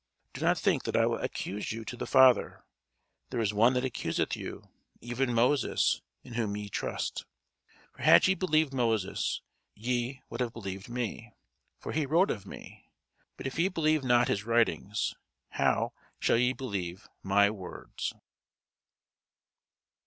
Do not think that I will accuse you to the Father: there is one that accuseth you, even Moses, in whom ye trust. For had ye believed Moses, ye would have believed me: for he wrote of me. But if ye believe not his writings, how shall ye believe my words?